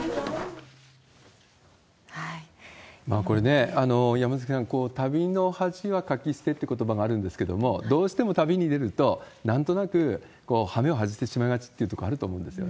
これね、山崎さん、旅の恥はかき捨てということばがあるんですけれども、どうしても旅に出ると、なんとなく羽目を外してしまいがちというのがあると思うんですよ